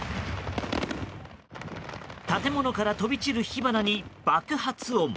建物から飛び散る火花に爆発音。